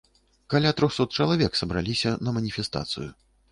Каля трохсот чалавек сабраліся на маніфестацыю.